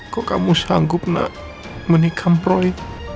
kenapa kamu sanggup menikam roy